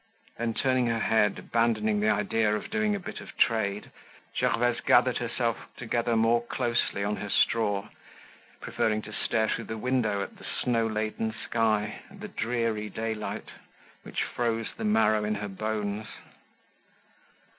Then turning her head, abandoning the idea of doing a bit of trade, Gervaise gathered herself together more closely on her straw, preferring to stare through the window at the snow laden sky, at the dreary daylight, which froze the marrow in her bones.